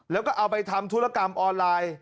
แล้วก็เอาไปทำธุรกรรมออนไลน์